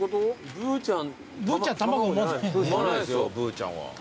ぶーちゃんは。